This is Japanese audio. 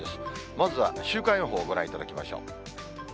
まずは週間予報ご覧いただきましょう。